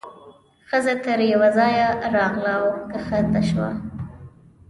ښځه تر یوه ځایه راغله او کښته شوه.